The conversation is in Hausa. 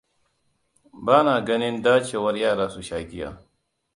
Bana ganin dacewar yara su sha giya.